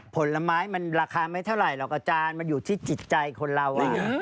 ผลไม้มันราคาไม่เท่าไหร่หรอกอาจารย์มันอยู่ที่จิตใจคนเรา